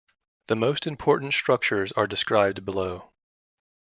The most important structures are described below.